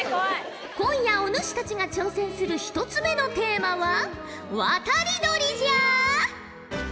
今夜お主たちが挑戦する１つ目のテーマは渡り鳥じゃ！